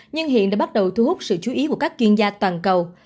nhưng hiện đã bắt đầu thu hút sự chú ý của các chuyên gia toàn cầu